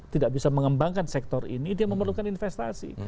tidak bisa mengembangkan sektor ini dia memerlukan investasi